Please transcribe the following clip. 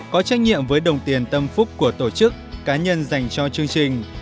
có trách nhiệm với đồng tiền tâm phúc của tổ chức cá nhân dành cho chương trình